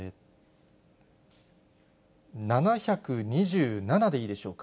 ７２７でいいでしょうか。